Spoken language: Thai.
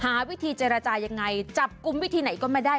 หาวิธีเจรจายังไงจับกลุ่มวิธีไหนก็ไม่ได้